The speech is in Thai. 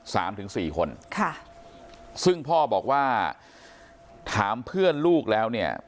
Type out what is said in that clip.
ถึงสี่คนค่ะซึ่งพ่อบอกว่าถามเพื่อนลูกแล้วเนี่ย